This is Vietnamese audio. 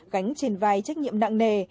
gánh trên vai trách nhiệm nặng nề